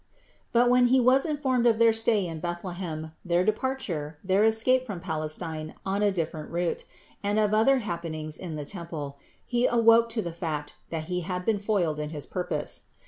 But when he was informed of their stay in Bethlehem, their departure, their escape from Palestine on a different route, and of other happenings in the temple, he awoke to the fact that he had been foiled in his purpose.